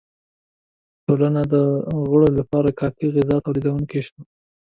ټولنه د غړو لپاره کافی غذا تولیدولای شوه.